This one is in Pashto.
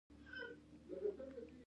برېښنایي مقناطیس په کارونو کې مهم دی.